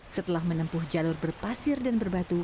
setelah menempuh jalur berpasir dan berbatu